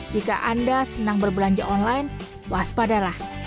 jika anda senang berbelanja online waspadalah